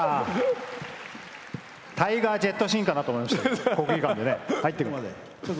タイガージェットシンかと思いました。